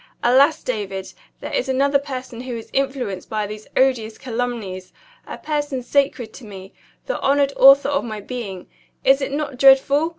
Alas, David, there is another person who is influenced by those odious calumnies! a person sacred to me the honored author of my being. Is it not dreadful?